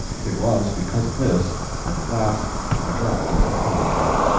It was because of this that at last I dropped into poetry.